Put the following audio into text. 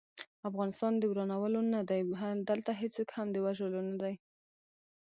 افغانستان د ورانولو نه دی، دلته هيڅوک هم د وژلو نه دی